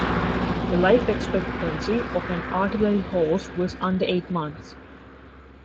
The life expectancy of an artillery horse was under eight months.